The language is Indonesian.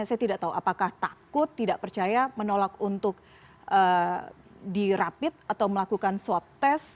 saya tidak tahu apakah takut tidak percaya menolak untuk dirapit atau melakukan swab test